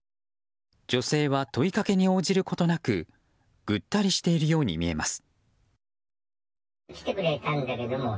女性は問いかけに応じることなくぐったりしているように見えます。